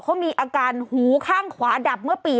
เขามีอาการหูข้างขวาดับเมื่อปี๒๕